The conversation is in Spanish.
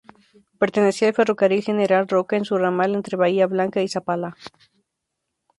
Pertenecía al Ferrocarril General Roca en su ramal entre Bahía Blanca y Zapala.